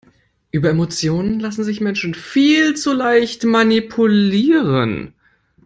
Über Emotionen lassen sich Menschen viel zu leicht manipulieren.